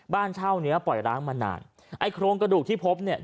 บ้านเช่าเนี้ยปล่อยร้างมานานไอ้โครงกระดูกที่พบเนี่ย